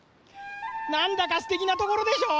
なんだかすてきなところでしょ！